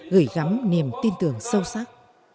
gửi gắm niềm tin tưởng sâu sắc